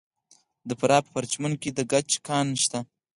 د فراه په پرچمن کې د ګچ کان شته.